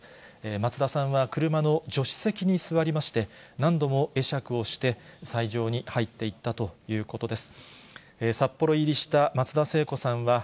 松田さんは車の助手席に座りまして、何度も会釈をして、斎場に入っていったということです。